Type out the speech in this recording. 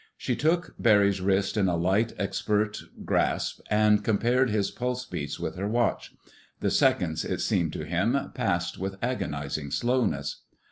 She took Barry's wrist in a light, expert grasp and compared his pulse beats with her watch. The seconds, it seemed to him, passed with agonizing slowness.